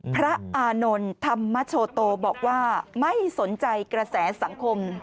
อานนท์ธรรมโชโตบอกว่าไม่สนใจกระแสสังคม